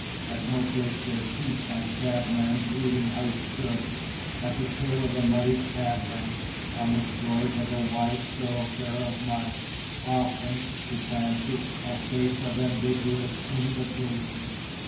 At no great distance my cabman's eating house stood, at the tail of a muddy cab rank, on the shores of a wide thoroughfare of mud, offering (to fancy) a face of ambiguous invitation.